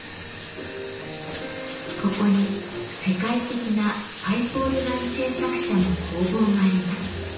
ここに世界的なパイプオルガン製作者の工房があります。